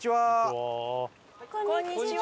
こんにちは。